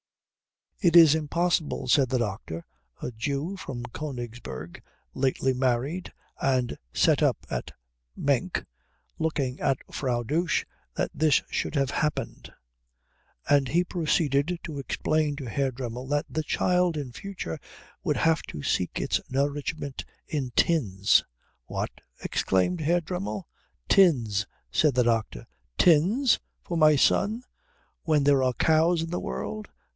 "It is impossible," said the doctor, a Jew from Königsberg, lately married and set up at Menk, looking at Frau Dosch, "that this should have happened." And he proceeded to explain to Herr Dremmel that the child in future would have to seek its nourishment in tins. "What?" exclaimed Herr Dremmel. "Tins," said the doctor. "Tins? For my son? When there are cows in the world?